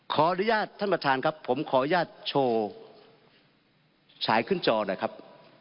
ขออนุญาตท่านประธานครับผมขออนุญาตโชว์ฉายขึ้นจอหน่อยครับ